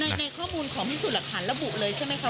ในข้อมูลของพิสูจน์หลักฐานระบุเลยใช่ไหมคะ